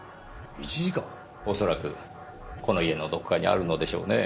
おそらくこの家のどこかにあるのでしょうねぇ。